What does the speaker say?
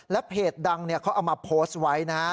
เพจดังเขาเอามาโพสต์ไว้นะฮะ